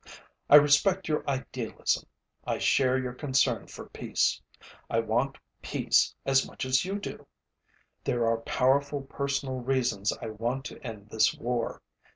I respect your idealism. I share your concern for peace. I want peace as much as you do. There are powerful personal reasons I want to end this war.